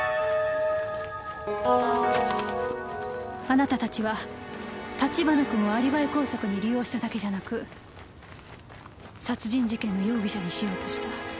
あなた達は立花君をアリバイ工作に利用しただけじゃなく殺人事件の容疑者にしようとした。